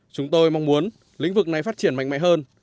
chúng tôi mong muốn lĩnh vực này phát triển mạnh mẽ hơn